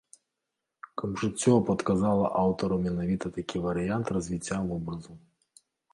Каб жыццё падказала аўтару менавіта такі варыянт развіцця вобразаў.